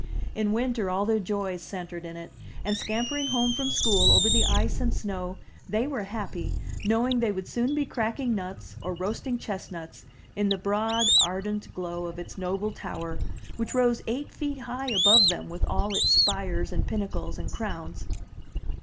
In winter all their joys centered in it, and scamp ering home from school over the ice and snow, they were happy, knowing that they would soon be cracking nuts or roasting chest nuts in the broad ardent glow of its noble tower, which rose eight feet high above them with all its spires and pinnacles and crowns.